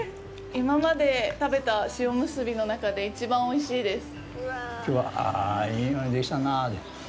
今まで食べた塩むすびの中で一番おいしいです。